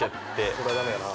・それは駄目やな。